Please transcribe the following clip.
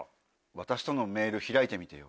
私とのメール開いてみてよ。